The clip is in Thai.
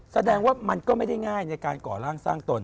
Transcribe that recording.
แสดงว่ามันก็ไม่ได้ง่ายในการก่อร่างสร้างตน